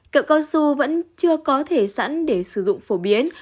cậu cao su vẫn chưa có thể sẵn để sử dụng phổ biến